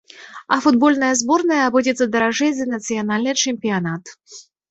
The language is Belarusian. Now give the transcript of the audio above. А футбольная зборная абыдзецца даражэй за нацыянальны чэмпіянат.